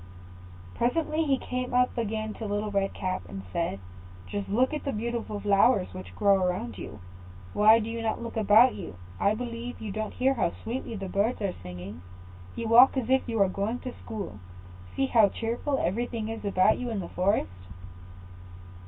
] Presently he came up again to Little Red Cap, and said, "Just look at the beautiful flowers which grow around you; why do you not look about you? I believe you don't hear how sweetly the birds are singing. You walk as if you were going to school; see how cheerful everything is about you in the forest."